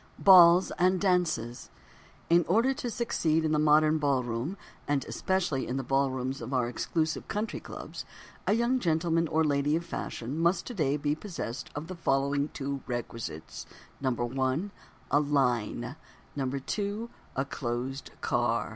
BALLS AND DANCES In order to succeed in the modern ballroom, and especially in the ballrooms of our exclusive country clubs, a young gentleman or lady of fashion must today be possessed of the following two requisites: i. A "Line." 2. A closed car.